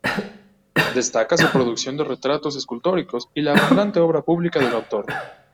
Destaca su producción de retratos escultóricos y la abundante obra pública del autor.